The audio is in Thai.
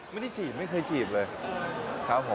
ไม่ได้จีบไม่เคยจีบเลยครับผม